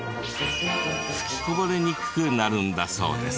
吹きこぼれにくくなるんだそうです。